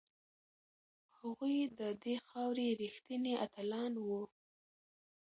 هغوی د دې خاورې ریښتیني اتلان وو.